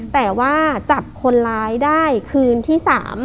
แต่ว่าจับคนร้ายได้คืนที่๓